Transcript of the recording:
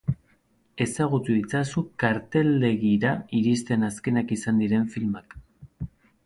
Ezagutu itzazu karteldegira iristen azkenak izan diren filmak.